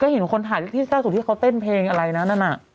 เห็นคนถ่ายที่ล่าสุดที่เขาเต้นเพลงอะไรนะนั่นน่ะ